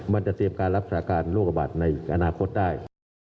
มันจะเตรียมการรักษาการโรคระบาดในอนาคตได้